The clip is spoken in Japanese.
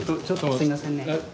すいませんね。